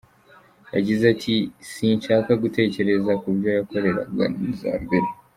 Yagize ati « sinshaka gutekereza kubyo yakoreraga n’iza mbere.